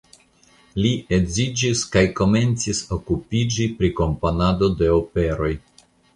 Li edziĝis kaj komencis okupiĝi pri komponado de operoj.